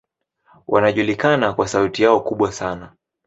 Wanajulikana kwa sauti yao kubwa sana.